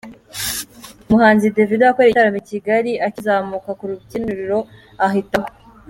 Umuhanzi Davido wakoreye igitaramo i Kigali akizamuka ku rubyiniro ahita agwa.